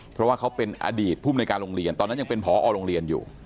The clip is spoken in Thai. เพราะว่าเขาเป็นอดีตภูมิในการโรงเรียนตอนนั้นยังเป็นพอโรงเรียนอยู่